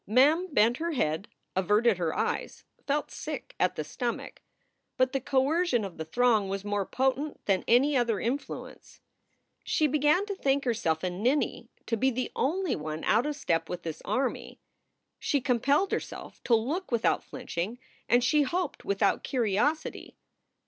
Mem bent her head, averted her eyes, felt sick at the stomach. But the coercion of the throng was more potent than any other influence. She began to think i8 4 SOULS FOR SALE herself a ninny to be the only one out of step with this army. She compelled herself to look without flinching and, she hoped, without curiosity.